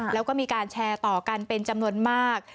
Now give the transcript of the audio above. แล้วก็มีการแชร์ต่อกันเป็นจำนวนมาก